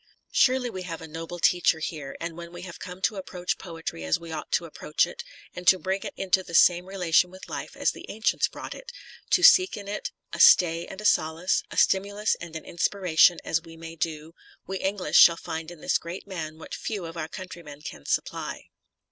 f Surely we have a noble teacher here, and when we have come to approach poetry as we ought to approach it, and to bring it into the same relation with life as the ancients brought it ; to seek in it a stay and a solace, a stimulus and an inspiration as we may do, we English shall find in this great man what few of our countrymen can supply.